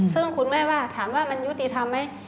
ซึ่งคุณแม่ว่าถามว่ามันยุติธรรมไหม